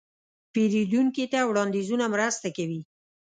پیرودونکي ته وړاندیزونه مرسته کوي.